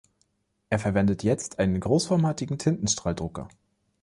Er verwendet jetzt einen großformatigen Tintenstrahldrucker.